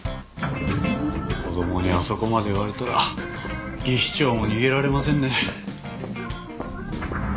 子供にあそこまで言われたら技師長も逃げられませんね。